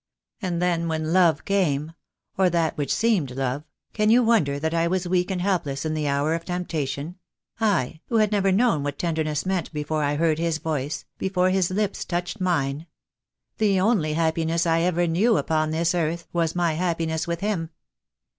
And then when love came — or that which seemed love — can you wonder that I was weak and helpless in the hour of temptation — I, who had never known what tenderness meant before I heard his voice, before his lips touched mine? The only happiness I ever knew upon this earth was my happiness with him.